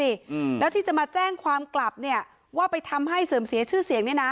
อืมแล้วที่จะมาแจ้งความกลับเนี้ยว่าไปทำให้เสื่อมเสียชื่อเสียงเนี้ยน่ะ